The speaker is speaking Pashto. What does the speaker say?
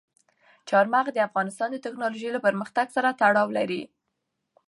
چار مغز د افغانستان د تکنالوژۍ له پرمختګ سره تړاو لري.